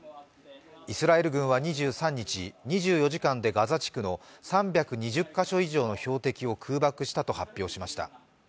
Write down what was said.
イスラエル軍は２３日、２４時間でガザ地区の３２０か所以上の標的を空爆したと発表しました。